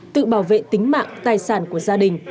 tự bảo vệ tính mạng tài sản của gia đình